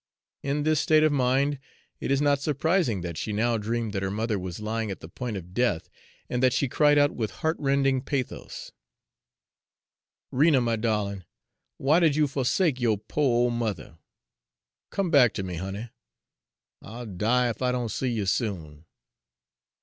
In this state of mind, it is not surprising that she now dreamed that her mother was lying at the point of death, and that she cried out with heart rending pathos: "Rena, my darlin', why did you forsake yo'r pore old mother? Come back to me, honey; I'll die ef I don't see you soon."